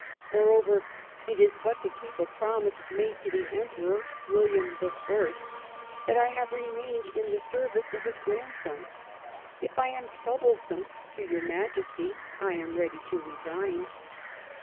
Moreover, it is but to keep a promise made to the Emperor William I that I have re mained in the service of his grandson. If I am troublesome to your Majesty 1 am ready to retire."